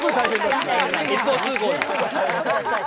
一方通行。